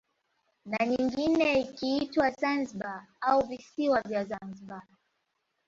Na nyingine ikiitwa Zanzibari au visiwa vya Zanzibari